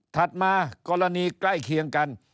มากรณีใกล้เคียงกัน